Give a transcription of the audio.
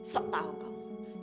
sok tau kau